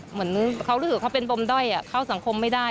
เหมือนเขารู้สึกว่าเขาเป็นปมด้อยเข้าสังคมไม่ได้